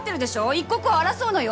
一刻を争うのよ？